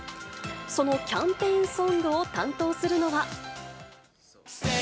そのキャンペーンソングを担当するのは。